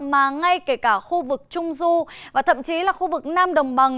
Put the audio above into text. mà ngay kể cả khu vực trung du và thậm chí là khu vực nam đồng bằng